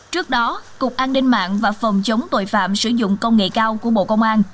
trước đó cục an ninh mạng và phòng chống tội phạm sử dụng công nghệ cao của bộ công an